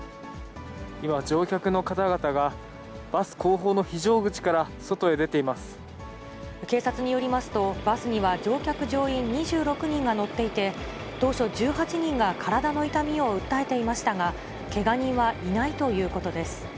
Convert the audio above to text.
今、乗客の方々がバス後方の警察によりますと、バスには乗客・乗員２６人が乗っていて、当初、１８人が体の痛みを訴えていましたが、けが人はいないということです。